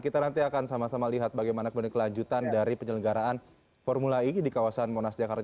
kita nanti akan sama sama lihat bagaimana kemudian kelanjutan dari penyelenggaraan formula e di kawasan monas jakarta